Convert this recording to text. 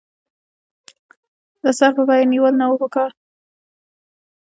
د سر په بیه نېول نه وو پکار.